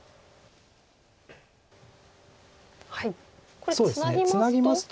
これツナぎますと。